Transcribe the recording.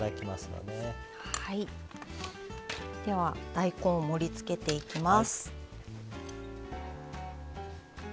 では大根を盛りつけていきます。